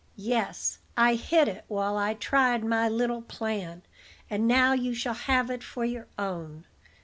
"Yes: I hid it while I tried my little plan, and now you shall have it for your own.